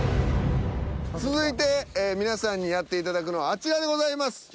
続いて皆さんにやっていただくのはあちらでございます。